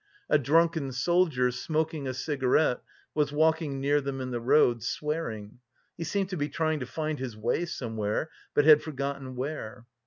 A drunken soldier, smoking a cigarette, was walking near them in the road, swearing; he seemed to be trying to find his way somewhere, but had forgotten where.